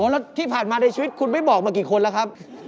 แล้วที่ผ่านมาในชีวิตคุณไม่บอกมากี่คนแล้วครับ